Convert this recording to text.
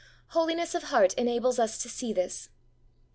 Holiness of heart enables us to see this.